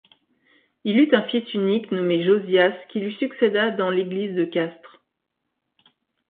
Il eut un fils unique, nommé Josias, qui lui succéda dans l’église de Castres.